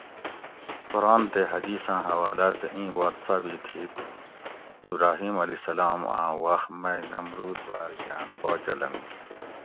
قرآن تے حدیثاں حوالاۤ سہ اِیں بات ثابِت ھِیت اُوں ابراھیم (ع) آں وخت مئ نمرود باۤر گاۤن باچا لنگوت